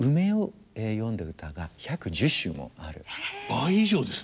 倍以上ですね。